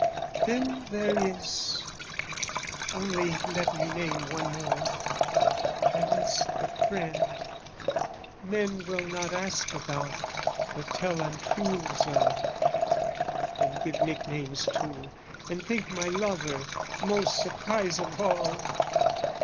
Then there is...only let me name one more! There is the friend, men will not ask about, But tell untruths of, and give nicknames to, And think my lover, most surprise of all!